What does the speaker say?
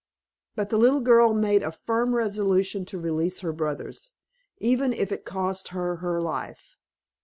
But the little girl made a firm resolution to release her brothers, even if it cost her her life.